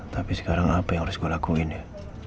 tapi sekarang apa yang harus gue lakuin ya